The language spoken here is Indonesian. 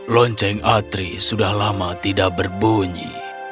lonceng atri sudah lama tidak berbunyi